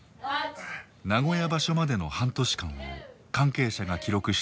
名古屋場所までの半年間を関係者が記録した映像。